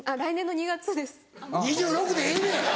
２６歳でええねん！